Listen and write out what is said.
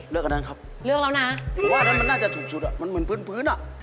อันนั้นครับเลือกแล้วนะว่าอันนั้นมันน่าจะถูกสุดอ่ะมันเหมือนพื้นพื้นอ่ะ